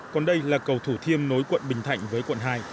còn đây là cầu thủ thiêm nối quận bình thạnh với quận hai